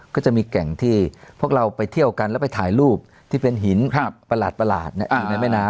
ก็จะมีแก่งที่พวกเราไปเที่ยวกันแล้วไปถ่ายรูปที่เป็นหินประหลาดอยู่ในแม่น้ำ